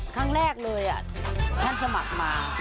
ครั้งแรกเลยท่านสมัครมา